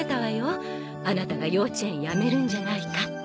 アナタが幼稚園辞めるんじゃないかって。